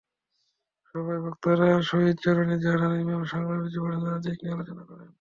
সভায় বক্তারা শহীদজননী জাহানারা ইমামের সংগ্রামী জীবনের নানা দিক নিয়ে আলোচনা করেন।